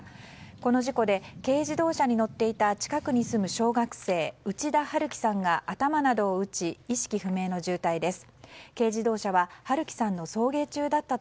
この事故で軽自動車に乗っていた近くに住む小学生内田晴葵さんが頭などを打ち意識不明の重体です。